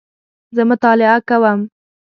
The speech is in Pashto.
زه مطالعه کوم